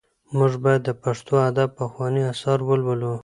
موږ باید د پښتو ادب پخواني اثار ولولو.